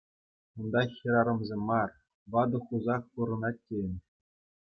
Унта хӗрарӑмсем мар, ватӑ хусах пурӑнать тейӗн.